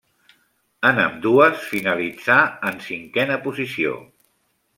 En ambdues finalitzà en cinquena posició.